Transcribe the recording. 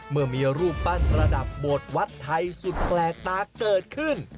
เมื่อมีรูปปั้นระดับโบสถวัดไทยสุดแปลกตาเกิดขึ้น